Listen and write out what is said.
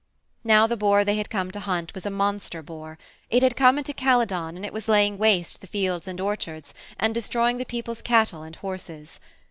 Now the boar they had come to hunt was a monster boar. It had come into Calydon and it was laying waste the fields and orchards and destroying the people's cattle and horses.